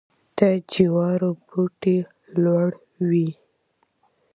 د جوارو بوټی لوړ وي.